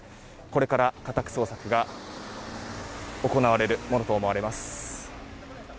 これから家宅捜索が行われるものと思われます。